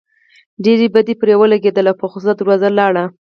ډېر بد پرې ولګېدل او پۀ غصه دروازې له لاړه